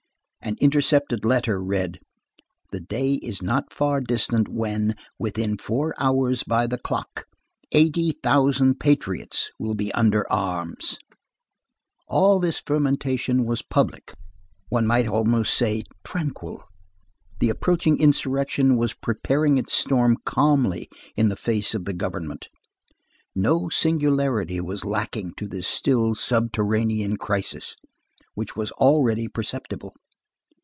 An intercepted letter read: "The day is not far distant when, within four hours by the clock, eighty thousand patriots will be under arms." All this fermentation was public, one might almost say tranquil. The approaching insurrection was preparing its storm calmly in the face of the government. No singularity was lacking to this still subterranean crisis, which was already perceptible.